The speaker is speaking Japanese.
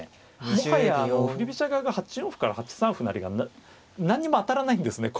もはや振り飛車側が８四歩から８三歩成が何にも当たらないんですね